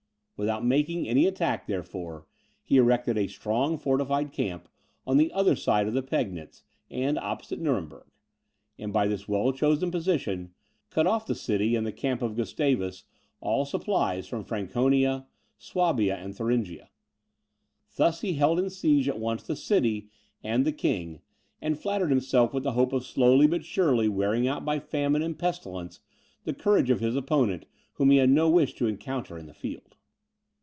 Without making any attack, therefore, he erected a strong fortified camp on the other side of the Pegnitz, and opposite Nuremberg; and, by this well chosen position, cut off from the city and the camp of Gustavus all supplies from Franconia, Swabia, and Thuringia. Thus he held in siege at once the city and the King, and flattered himself with the hope of slowly, but surely, wearing out by famine and pestilence the courage of his opponent whom he had no wish to encounter in the field.